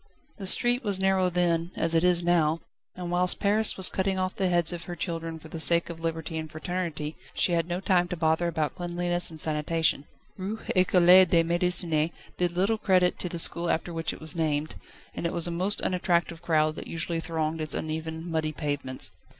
The street was narrow then, as it is now, and whilst Paris was cutting off the heads of her children for the sake of Liberty and Fraternity, she had no time to bother about cleanliness and sanitation. Rue Ecole de Médecine did little credit to the school after which it was named, and it was a most unattractive crowd that usually thronged its uneven, muddy pavements.